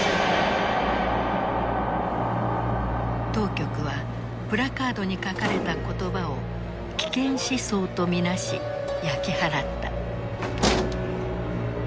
当局はプラカードに書かれた言葉を危険思想と見なし焼き払った。